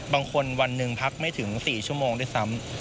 วันหนึ่งพักไม่ถึง๔ชั่วโมงด้วยซ้ำ